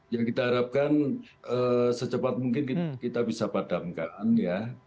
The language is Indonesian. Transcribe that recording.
yang kita harapkan secepat mungkin kita bisa padamkan ya